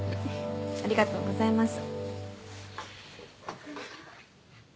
ありがとうございます。